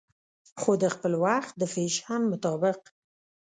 خو دخپل وخت د فېشن مطابق